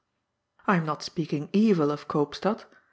I am not speaking evil of Koopstad.